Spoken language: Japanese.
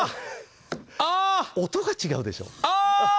音が違うでしょ？